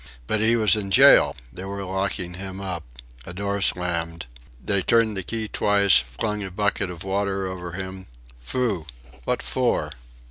But he was in jail! They were locking him up. A door slammed. They turned the key twice, flung a bucket of water over him Phoo! What for?